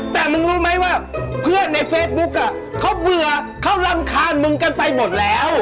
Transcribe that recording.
แต่มึงรู้ไหมว่าเพื่อนในเฟซบุ๊กเขาเบื่อเขารำคาญมึงกันไปหมดแล้ว